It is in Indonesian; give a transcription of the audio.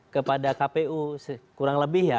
kepada kpu kurang lebih ya